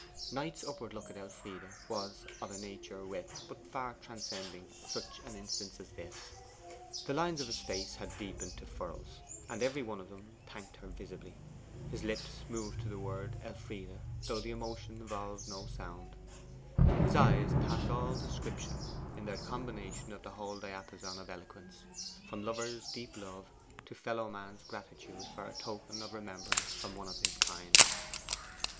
Knight's upward look at Elfride was of a nature with, but far transcending, such an instance as this. The lines of his face had deepened to furrows, and every one of them thanked her visibly. His lips moved to the word 'Elfride,' though the emotion evolved no sound. His eyes passed all description in their combination of the whole diapason of eloquence, from lover's deep love to fellow man's gratitude for a token of remembrance from one of his kind.